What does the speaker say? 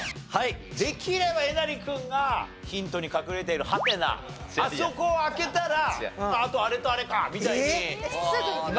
できればえなり君がヒントに隠れているハテナあそこを開けたらあとあれとあれかみたいになるの。